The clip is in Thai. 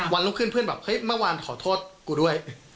รุ่งขึ้นเพื่อนแบบเฮ้ยเมื่อวานขอโทษกูด้วย